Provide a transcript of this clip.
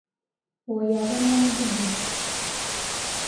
Oyo aba nnamudiguli.